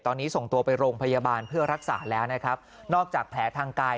ตอนนี้ส่งตัวไปโรงพยาบาลเพื่อรักษาแล้วนะครับนอกจากแผลทางกาย